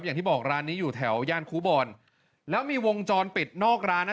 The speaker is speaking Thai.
อย่างที่ร้านนี้อยู่แถวย่านคูบอลแล้วมีวงจรปิดนอกร้านอ่ะ